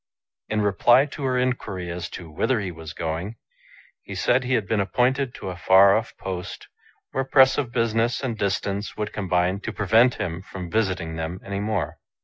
In reply to her inquiry as to whither he was going, he said he had been appointed to n far off post, where press of business and distance would combine to prevent him from visiting them any more.